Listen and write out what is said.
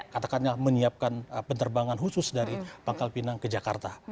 katakanlah menyiapkan penerbangan khusus dari pangkal pinang ke jakarta